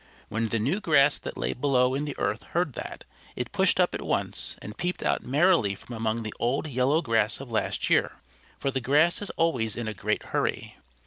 When the new Grass that lay below in the earth heard that, it pushed up at once and peeped out merrily from among the old yellow Grass of last year. For the Grass is always in a great hurry.